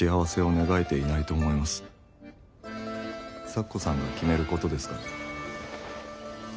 咲子さんが決めることですから。